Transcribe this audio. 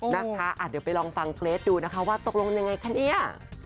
นะคะเดี๋ยวไปลองฟังเกรทดูนะคะว่าตกลงยังไงคะเนี่ย